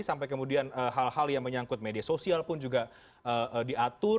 sampai kemudian hal hal yang menyangkut media sosial pun juga diatur